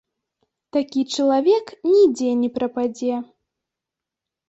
Такі чалавек нідзе не прападзе.